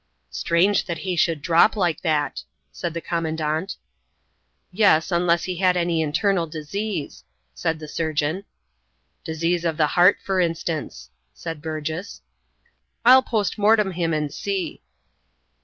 "Strange that he should drop like that," said the Commandant. "Yes, unless he had any internal disease," said the surgeon. "Disease of the heart, for instance," said Burgess. "I'll post mortem him and see."